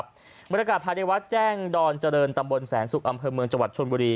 บริการภาษณีวัฒน์แจ้งดอนเจริญดอนที่ตำบลแสนศุกร์อำเภอเมืองจวัดชนบุรี